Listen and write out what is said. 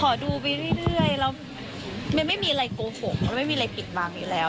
ขอดูไปเรื่อยแล้วมันไม่มีอะไรโกหกแล้วไม่มีอะไรปิดบังอยู่แล้ว